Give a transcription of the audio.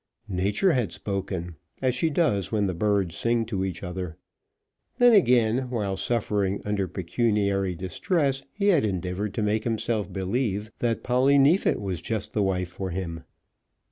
Nature had spoken, as she does when the birds sing to each other. Then, again, while suffering under pecuniary distress he had endeavoured to make himself believe that Polly Neefit was just the wife for him.